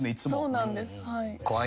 そうなんです。